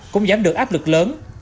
cũng giảm được áp lực lớn